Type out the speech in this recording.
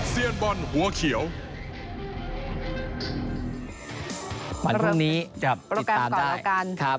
วันพรุ่งนี้จะติดตามได้ครับเริ่มโปรแกรมต่อแล้วกัน